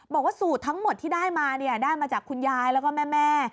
บอกว่าสูตรทั้งหมดที่ได้มาได้มาจากคุณยายแล้วก็แม่